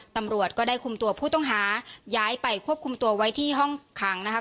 ตำรวจก็ได้คุมตัวผู้ต้องหาย้ายไปควบคุมตัวไว้ที่ห้องขังนะคะ